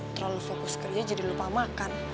terlalu fokus kerja jadi lupa makan